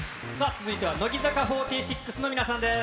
続いては乃木坂４６の皆さんです。